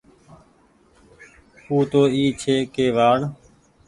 او تو اي ڇي ڪي وآڙ۔